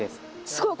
すごい！